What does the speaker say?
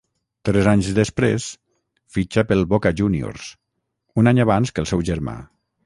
Tres anys després, fitxa pel Boca Juniors, un any abans que el seu germà.